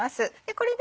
これで。